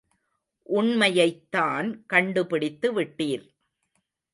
உண்மையைத்தான் கண்டுபிடித்து விட்டீர்.